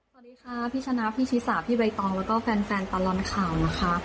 สวัสดีค่ะพี่ชนะพี่ชิสาพี่ใบตองแล้วก็แฟนตลอดข่าวนะคะ